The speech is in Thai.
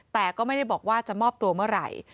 แต่ก็ไม่ได้บอกว่าจะมอบตัวเมื่อไหร่